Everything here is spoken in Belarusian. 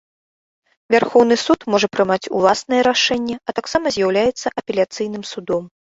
Вярхоўны суд можа прымаць уласныя рашэнні, а таксама з'яўляецца апеляцыйным судом.